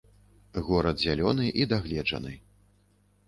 Горад зялёны і дагледжаны.